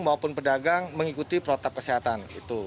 maupun pedagang mengikuti protokol kesehatan